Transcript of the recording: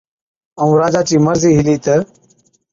ائُون راجا چِي مرضِي هِلِي تہ،